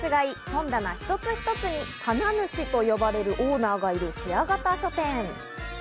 本棚一つ一つに棚主と呼ばれるオーナーがいるシェア型書店。